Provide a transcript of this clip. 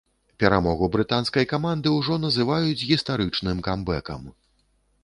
Перамогу брытанскай каманды ўжо называюць гістарычным камбэкам.